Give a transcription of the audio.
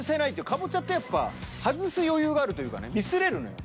カボチャってやっぱ外す余裕があるというかねミスれるのよ。